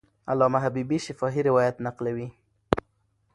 علامه حبیبي شفاهي روایت نقلوي.